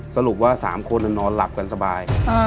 สรุปว่า๓คนนอนหลับกันสบาย